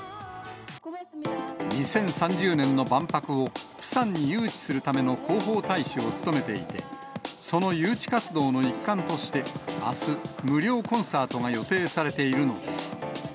２０３０年の万博をプサンに誘致するための広報大使を務めていて、その誘致活動の一環として、あす、無料コンサートが予定されているのです。